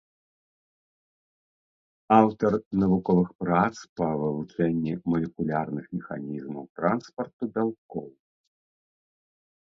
Аўтар навуковых прац па вывучэнні малекулярных механізмаў транспарту бялкоў.